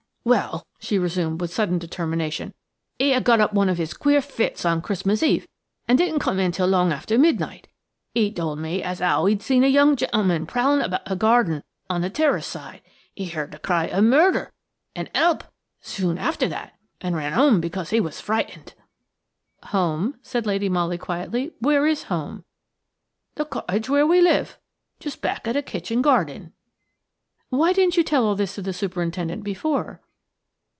"Well!" she resumed with sudden determination, "he had got one of his queer fits on Christmas Eve, and didn't come in till long after midnight. He told me as how he'd seen a young gentleman prowling about the garden on the terrace side. He heard the cry of 'Murder' and 'Help' soon after that, and ran in home because he was frightened." "Home?" asked Lady Molly, quietly, "where is home?" "The cottage where we live. Just back of the kitchen garden." "Why didn't you tell all this to the superintendent before?"